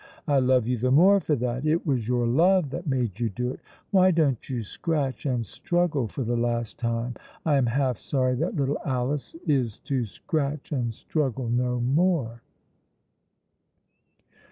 I love you the more for that. It was your love that made you do it. Why don't you scratch and struggle for the last time? I am half sorry that little Alice is to scratch and struggle no more."